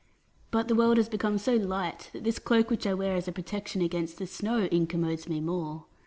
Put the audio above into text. But the world has become so light, that this cloak which I wear as a protection against the snow, incommodes me more.